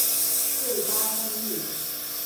瑞八公路